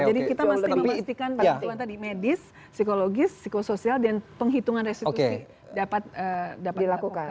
jadi kita mesti memastikan pak ketuan tadi medis psikologis psikosoial dan penghitungan restitusi dapat dilakukan